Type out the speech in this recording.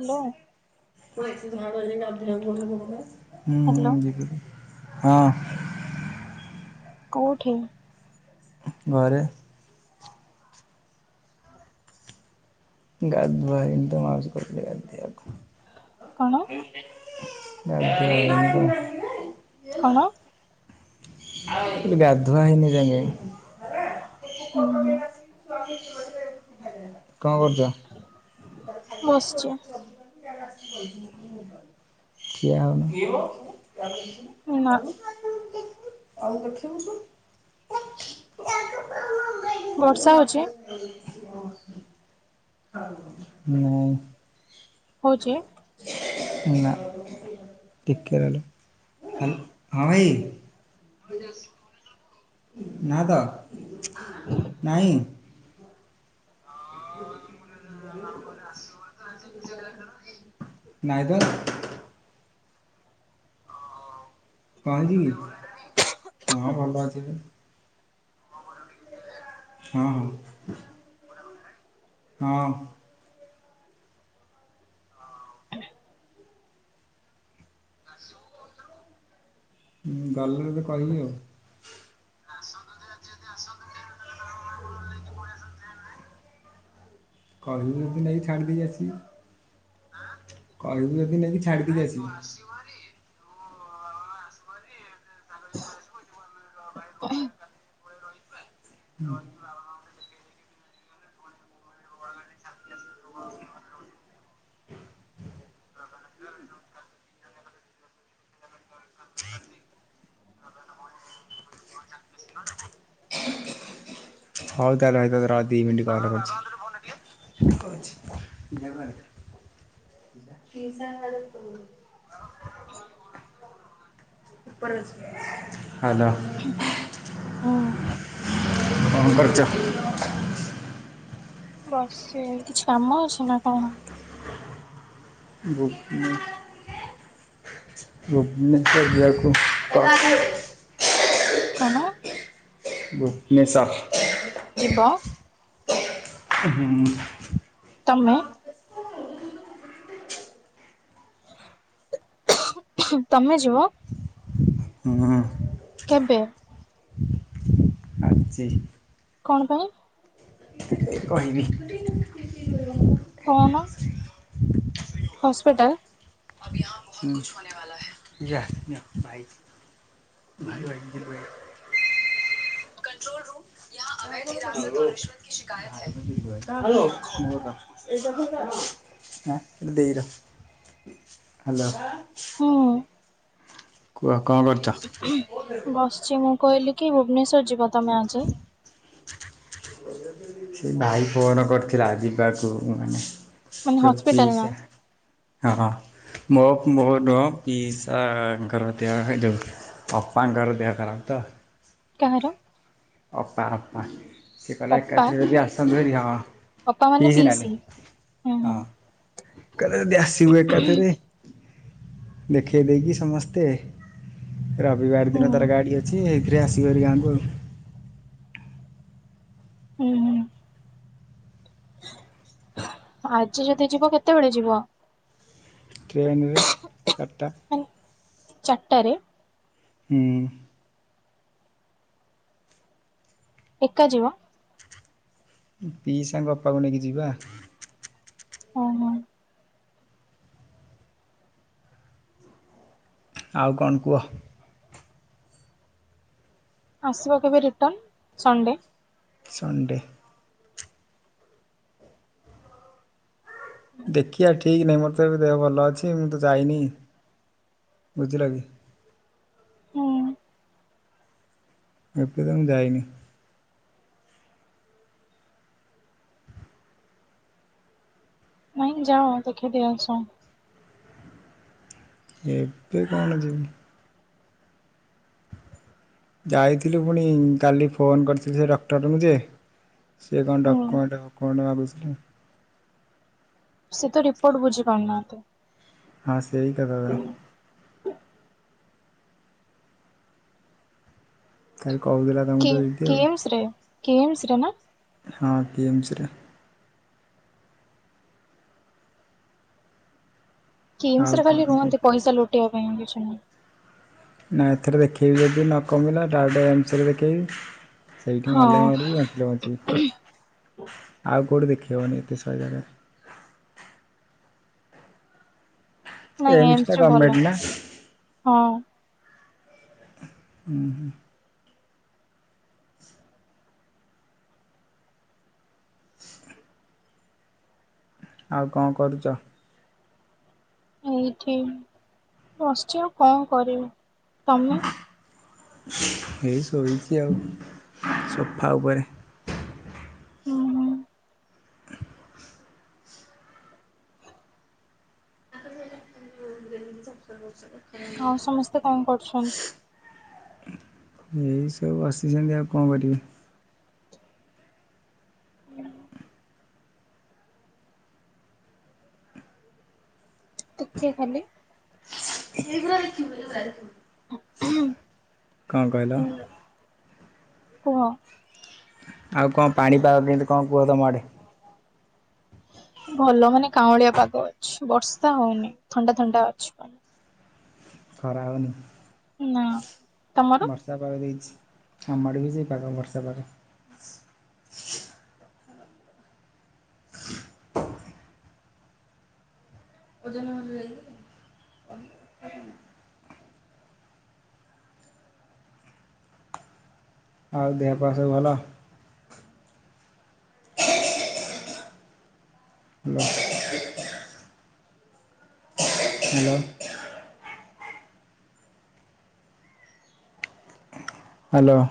Hello hello [unintelligible] ହଁ। କୋଉଠି? ଘରେ। ଗାଧୁଆ ହେଇନି ତ ମାଉସି କହୁଥିଲେ ଗାଧେଇ ଆକୁ। କଣ? [unintelligible] କଣ? ଗାଧୁଆ ହୁଁ ହୁଁ ହେଇନି ଏ ଯାଏଁ। ବସିଛି କଣ କରୁଛ? ନା [unintelligible] [unintelligible] [inaudible] ବର୍ଷା ହଉଛି ମୁଁ ହଉଛି ନା ଟିକେ ରହିଲ ହଁ ଭାଇ [unintelligible] ନା ତ ନାଇଁ। ନାଇଁ ତ। କଣ ହେଇଚି କି? ହଁ ଭଲ ଅଛି। ହଁ ହଁ। ହଁ। ହଁ ଗଲେ ତତେ କହିବି ଆଉ। କହିବ ଯଦି ନେଇକି ଯଦି ନେଇକି ଅସିବି। କହିବୁ ଯଦି ନେଇକି ଛାଡ଼ି ଦେଇକି ଆସିବି। [inaudible] [inaudible] [inaudible] [inaudible] [inaudible] ହଉ ତାହେଲେ ରହି ଦି ମିିନଟ ପରେ କରୁଚି। [inaudible] [unintelligible] ହାଲୋ। ହୁଁ। କଣ କରୁଛ? ବସଛି। କିଛି କାମ ଅଛି ନା କଣ? [unintelligible] କଣ? ଭୁବନେଶ୍ୱର। ଯିବ? ହୁଁ। ତମେ? ତମେ ଯିବ? ହଁ। କେବେ? ଆଜି। କଣ ପାଇଁ? କହିବିି। କହୁନ। ହସ୍ପିଟାଲ୍। [unintelligible] [unintelligible] [unintelligible] [unintelligible] ଦେଇର। ହାଲୋ। ହୁଁ। କୁହ କଣ କରୁଛ? ବସଚି ମୁଁ କହିଲି କି ଭୁବନେଶ୍ଵର ଯିବ ତମେ ଆଜି? [inaudible] ସେ ଭାଇ ଫୋନ୍ କରିଥିଲା ଯିବାକୁ ମାନେ ମାନେ ତେଣୁ ହସ୍ପିଟାଲ ନା ପିଇସା ହଁ ହଁ। ମୋ ମୋର ପିଇସାଙ୍କର ଦେହ ଏଯୋଉ ଅପାଙ୍କର ଦେହ ଖରାପ ତ। କାହାର? ଅପା ଅପା। ସେ କହିଲା ଏକା ଅପା ଥରକେ ଆସନ୍ତୁ ହାରି ହଁ ଅପା ମାନେ ପିଇସି ନାନୀ ହୁଁ ହୁଁ ହଁ। ଏକାଥରେ ଯଦି ଆସିବୁ ଏକାଥରେ ଦେଖେଇ ଦେଇକି ସମସ୍ତେ ରବିବାର ହୁଁ ଦିନ ତାର ଗାଡ଼ି ଅ ଛି ଏକେରେ ଆସିବ ହାରି ଗାଁକୁ ଆଉ। ହୁଁ ହୁଁ। ଆଜି ଯଦି ଯିବ କେତେବେଳେ ଯିବ? ଟ୍ରେନରେ ଚାରିଟା। ଚାଟାରେ। ହୁଁ। ଏକା ଯିବ? ପିଇସାଙ୍କ ଅପାକୁ ନେଇକି ଯିବା। ହଁ ହଁ। ଆଉ କଣ କୁଅ। ଆସିବ କେବେ ରିଟନ୍ ସଣ୍ଡେ? ସଣ୍ଡେ। ଦେଖିଆ ଠିକ୍ ନାହିଁ ମୋର ତ ଏବେ ଦେହ ଭଲ ଅଛି ମୁଁ ତ ଯାଇନି ବୁଝିଲ କି। ହୁଁ ଏପର୍ଯ୍ୟନ୍ତ ମୁଁ ଯାଇନି। ନାଇଁ ଯାଅ ଦେଖେଇ ଦେଇ ଆସ? ଏବେ କଣ ଯିବି। ଯାଇଥିଲୁ ପୁଣି କାଲି ଫୋନ୍ କରିଥିଲି ସେ ଡକ୍ଟରଙ୍କୁ ଯେ ସିଏ କଣ ହୁଁ ଡକ୍ୟୁମେଣ୍ଟେ ଫ କଣ୍ତେ ମାଗୁଥିଲେ। ସେ ତ ରିପୋର୍ଟ ବୁଝି ପାରୁନାହାନ୍ତି। ହଁ ସେଇ କଥାତ। କାଲି କହୁଥିଲା ତମକୁ କି ତ ଦିଦି ଆଉ କିମ୍ସରେ କିମ୍ସରେ ନା? ହଁ କିମ୍ସରେ। ଆଉ କିମ୍ସରେ ଖାଲି କଣ କୁହ ରୁହନ୍ତି ପଇସା ଲୁଟିବା ପାଇଁ ଆଉ କିଛି ନୁହେଁ। ନା ଏଥିରେ ଦେଖେଇବି ଯେଦି ନ କମିଲା ଡାରେକ୍ଟ ଏମ୍ସରେ ଦେଖେଇବି। ସେଇଠି ମଲେ ହଁ ମରିବି ବଞ୍ଚିଲେ ବଞ୍ଚିବି ଆଉ କୋଉଠି ଦେଖି ହବନି ଏତେ ସହଯରେ। ‌ ନାଇଁ ଏମ୍ସ ଟା ଏମ୍ସରେ ଭଲ ଗଭର୍ଣ୍ଣମେଣ୍ଟ ନା ହଁ। ହୁଁ ହୁଁ। ଆଉ କଣ କରୁଚ? ଏଇଠି ବଶଚି ଆଉ କଣ କରିବି ତମେ? ଏଇସୋଇଚି ଆଉ ସୋଫା ଉପରେ। ହୁଁ ହୁଁ। [inaudible] [unintelligible] ଆଉ ସମସ୍ତେ କଣ କରୁଛନ୍ତି? ଏଇ ସବୁ ବସିଛନ୍ତି ଆଉ କଣ କରିବେ। ଟିକିଏ ଖାଲି। [unintelligible] ହାଲୋ କଣ କହିଲ? କୁହ। ଆଉ କଣ ପାଣିପାଗ କେମିତି କଣ କୁହ ତମ ଆଡ଼େ? ଭଲ ମାନେ କାଉଁଳିଆ ପାଗ ଅଛି ବର୍ଷା ହଉନି ଥଣ୍ଡା ଥଣ୍ଡା ଅଛି ପାଗ। ଖରା ହଉନି? ନାଁ। ବର୍ଷା ପାଗ ଦେଇଛି ଆମ ଆଡ଼େବି ସେଇ ପାଗ ବର୍ଷା ପାଗ। ଓଜନ ହଉନୁ ଯାଇକି। ଆଉ ଦେହ ପା ସବୁ ଭଲ? [inaudible] ହ୍ୟାଲୋ। ହ୍ୟାଲୋ।